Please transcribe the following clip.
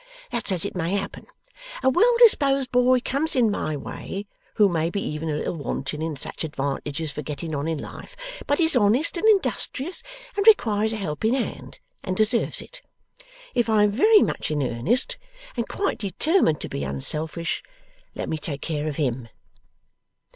That's as it may happen. A well disposed boy comes in my way who may be even a little wanting in such advantages for getting on in life, but is honest and industrious and requires a helping hand and deserves it. If I am very much in earnest and quite determined to be unselfish, let me take care of HIM.